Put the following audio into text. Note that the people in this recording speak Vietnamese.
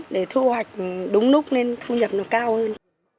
để thu hoạch đúng lúc nên thu nhập nó cao hơn